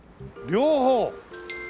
両方？